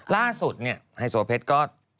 ล่าสุดเนี่ยไฮโซเพชรก็